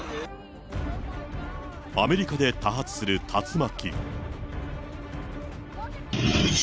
アメリカで多発する竜巻。